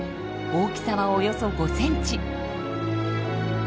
大きさはおよそ５センチ。